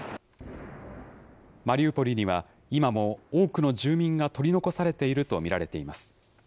マリウポリには今も、多くの住民が取り残されていると見られています。